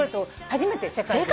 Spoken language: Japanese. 初めて世界で。